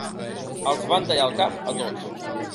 Els van tallar el cap a tots.